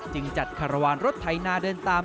จัดคารวาลรถไถนาเดินตาม